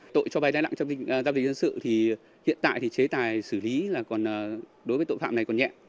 tội cho vay đáy lặng trong gia đình dân sự thì hiện tại chế tài xử lý đối với tội phạm này còn nhẹ